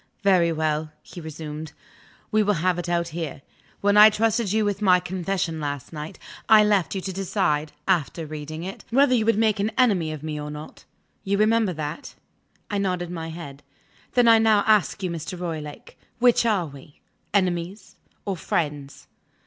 "Very well," he resumed; "we will have it out, here. When I trusted you with my confession last night, I left you to decide (after reading it) whether you would make an enemy of me or not. You remember that?" I nodded my head. "Then I now ask you, Mr. Roylake: Which are we enemies or friends?"